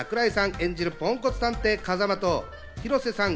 演じるポンコツ探偵・風真と広瀬さん